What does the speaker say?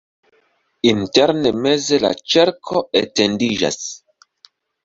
Interne meze la ĉerko etendiĝas.